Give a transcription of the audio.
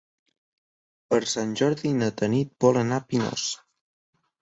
Per Sant Jordi na Tanit vol anar a Pinós.